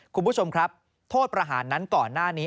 คุณผู้ชมครับโทษประหารนั้นก่อนหน้านี้